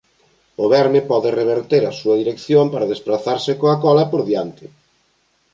O verme pode reverter a súa dirección para desprazarse coa cola por diante.